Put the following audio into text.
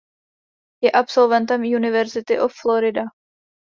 Je absolventem University of Florida.